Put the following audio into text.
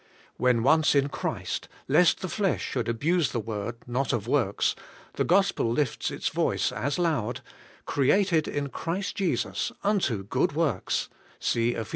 '' When once in Christ, lest the flesh should abuse the word, 'Not of works,' the Gospel lifts its voice as loud: 'Created in Christ Jesus unto good ivories'' {see Epli.